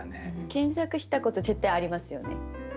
検索したこと絶対ありますよね？